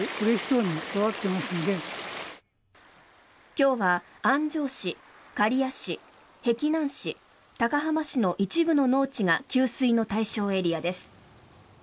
今日は安城市、刈谷市碧南市、高浜市の一部の農地が給水の対象エリアです。